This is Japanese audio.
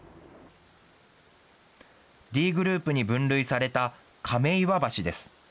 Ｄグループに分類された瓶岩橋です。